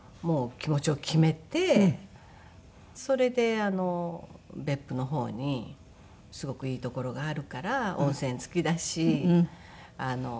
それで別府の方にすごくいい所があるから温泉付きだしねっ。